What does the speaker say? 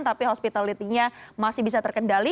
tapi hospitalitinya masih bisa terkendali